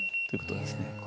ということなんですね。